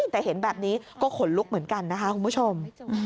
แต่เห็นแบบนี้ก็ขนลุกเหมือนกันนะคะคุณผู้ชม